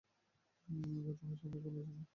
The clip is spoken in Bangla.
গৌতমের সময়কাল অজানা।